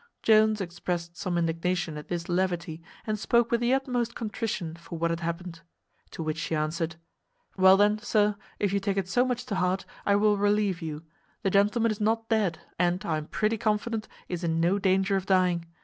Jones exprest some indignation at this levity, and spoke with the utmost contrition for what had happened. To which she answered, "Well, then, sir, if you take it so much to heart, I will relieve you; the gentleman is not dead, and, I am pretty confident, is in no danger of dying.